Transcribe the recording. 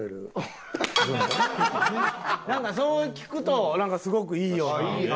なんかそう聞くとすごくいいような。